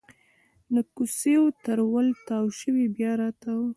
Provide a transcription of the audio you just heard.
د کوڅېو تر ول تاو شي بیا راتاو